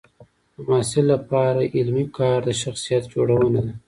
د محصل لپاره علمي کار د شخصیت جوړونه ده.